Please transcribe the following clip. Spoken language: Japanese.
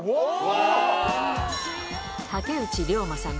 竹内涼真さん。